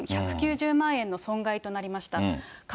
プール６杯分、１９０万円の損害となりました。